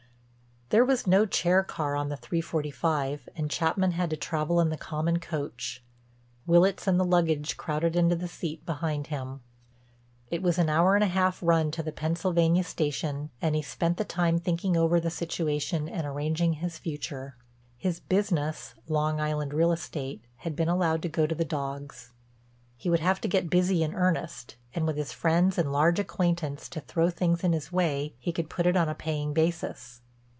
There was no chair car on the three forty five and Chapman had to travel in the common coach, Willitts and the luggage crowded into the seat behind him. It was an hour and a half run to the Pennsylvania Station and he spent the time thinking over the situation and arranging his future. His business—Long Island real estate—had been allowed to go to the dogs. He would have to get busy in earnest, and, with his friends and large acquaintance to throw things in his way, he could put it on a paying basis.